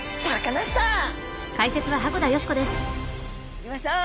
行きましょう！